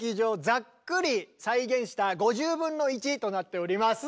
ざっくり再現した５０分の１となっております。